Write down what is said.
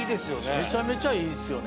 めちゃめちゃいいですよね